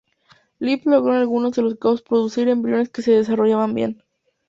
Loeb logro en algunos de los casos producir embriones que se desarrollaban bien.